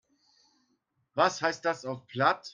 Was heißt das auf Platt?